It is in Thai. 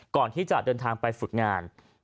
ก่อนที่จะเดินทางไปฝึกงาน